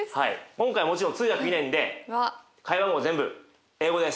今回もちろん通訳いないんで会話も全部英語です。